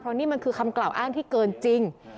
นี่มันคือคำกล่าวอ้างที่เกินจริง